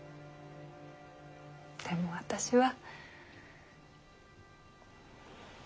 でも私は。